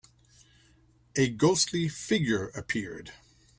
A ghostly figure appeared.